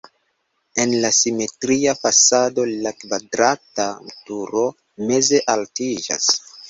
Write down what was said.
En la simetria fasado la kvadrata turo meze altiĝas.